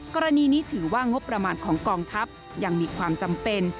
กรณีนี้ถือว่างบประมาณของกองทัพยังมีความจำเป็น